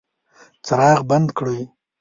څراغ بند کړئ